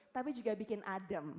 tapi juga bikin adem